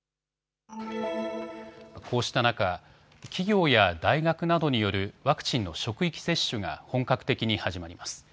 こうした中、企業や大学などによるワクチンの職域接種が本格的に始まります。